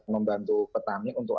membantu petani untuk